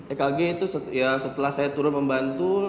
ekg itu setelah saya turun membantu